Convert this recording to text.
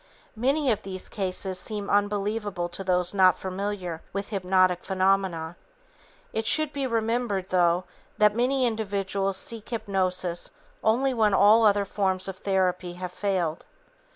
Many of these cases seem unbelievable to those not familiar with hypnotic phenomena. It should be remembered, though, that many individuals seek hypnosis only when all other forms of therapy have failed.